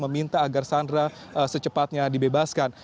meminta agar sandra secepatnya dibebaskan